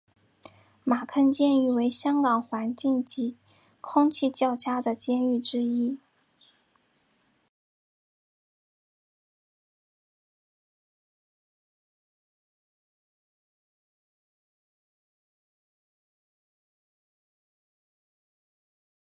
马坑监狱为香港环境及空气较佳的监狱之一。